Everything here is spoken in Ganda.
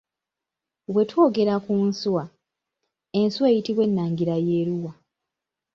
Bwe twogera ku nswa, enswa eyitibwa ennangira y'eruwa?